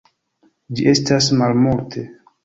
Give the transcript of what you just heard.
Ĝi estas malmulte.